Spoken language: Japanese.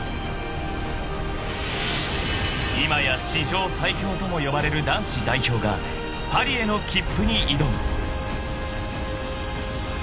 ［今や史上最強とも呼ばれる男子代表がパリへの切符に挑む］